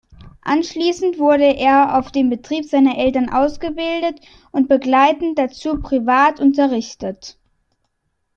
Anschließend wurde er auf dem Betrieb seiner Eltern ausgebildet und begleitend dazu privat unterrichtet.